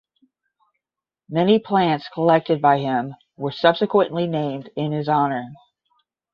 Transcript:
Many plants collected by him were subsequently named in his honor.